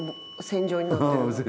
線状になってる。